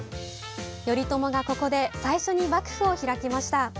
頼朝がここで最初に幕府を開きました。